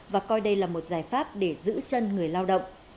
và coi đây là một giải pháp để giữ chân người lao động